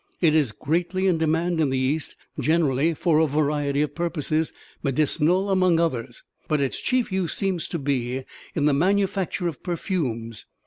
It is greatly in demand in the East generally, for a variety of purposes medicinal, among others but its chief use seems to be in the manufacture of perfumes.